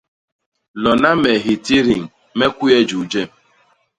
Lona me hitidiñ me kuye juu jem.